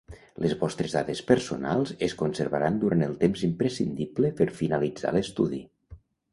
Les vostres dades personals es conservaran durant el temps imprescindible per finalitzar l'estudi.